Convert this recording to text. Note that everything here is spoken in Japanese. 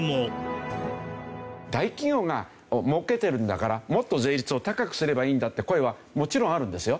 大企業が儲けてるんだからもっと税率を高くすればいいんだって声はもちろんあるんですよ。